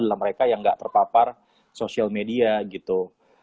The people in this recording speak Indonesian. dalam mereka yang gak terpapar social media gitu